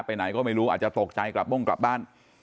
ไหนก็ไม่รู้อาจจะตกใจกลับม่งกลับบ้าน